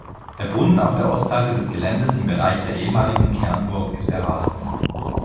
Der Brunnen auf der Ostseite des Geländes im Bereich der ehemaligen Kernburg ist erhalten.